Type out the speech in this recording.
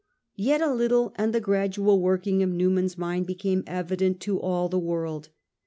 Yet a little and the gradual work ing of Newman's mind became evident to all the world.